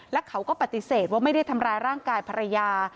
และเขาก็ปฏิเสธว่าไม่ได้ทำร้ายร่างกายภรรยา